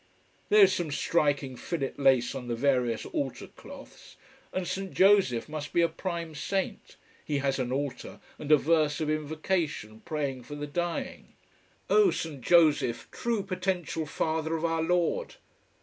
There is some striking filet lace on the various altar cloths. And St. Joseph must be a prime saint. He has an altar and a verse of invocation praying for the dying. "Oh, St. Joseph, true potential father of Our Lord."